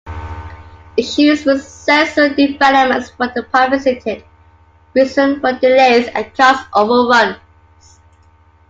Issues with sensor developments were the primary cited reason for delays and cost-overruns.